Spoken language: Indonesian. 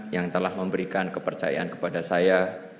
yang telah memberikan kepercayaan kepada saya